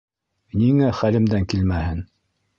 Ниңә хәлемдән килмәһен?